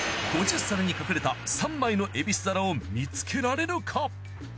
５０皿に隠れた３枚の蛭子皿を見つけられるか？